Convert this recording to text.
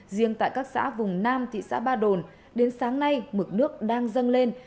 riêng tại các xã vùng nam thị xã ba đồn đến sáng nay mực nước đang dâng lên